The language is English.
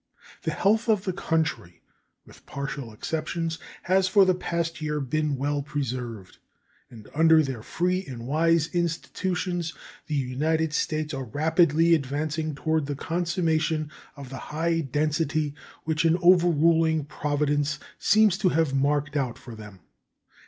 The health of the country, with partial exceptions, has for the past year been well preserved, and under their free and wise institutions the United States are rapidly advancing toward the consummation of the high destiny which an overruling Providence seems to have marked out for them.